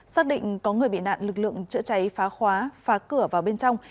xác định có người bị nạn lực lượng chữa cháy phá khóa phá cửa vào bên trong